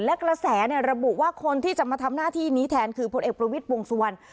และกระแสระบุว่าคนที่จะมาทำหน้าที่นี้แทนคือผลเอกประวิทย์วงสุวรรณ